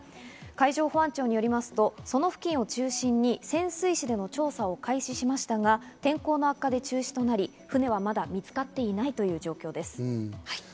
海上保安庁によりますと、その付近を中心に潜水士での調査を開始しましたが、天候の悪化で中止となり、船はまだ見つかっていないという状況です。